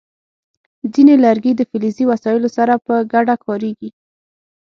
ځینې لرګي د فلزي وسایلو سره په ګډه کارېږي.